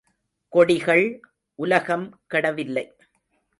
கொடிகள் உலகம் கெடவில்லை.